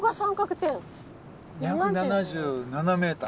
２７７ｍ。